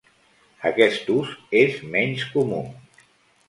Aquest ús és menys comú.